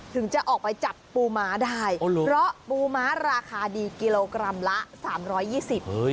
จะออกไปจับปูม้าได้เพราะปูม้าราคาดีกิโลกรัมละสามร้อยยี่สิบ